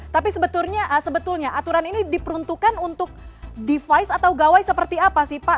tapi sebetulnya aturan ini diperuntukkan untuk device atau gawai seperti apa sih pak